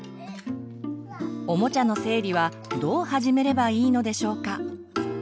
おもちゃの整理はどう始めればいいのでしょうか？